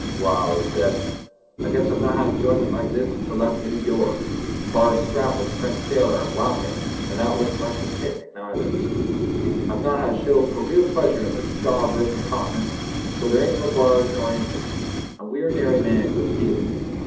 "Wall!" he said, "I guess I've not had enjoyment like this since I left Noo York. Bar a scrap with a French sailor at Wapping—an' that warn't much of a picnic neither—I've not had a show fur real pleasure in this dod rotted Continent, where there ain't no b'ars nor no Injuns, an' wheer nary man goes heeled.